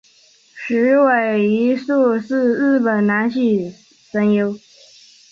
矢尾一树是日本男性声优。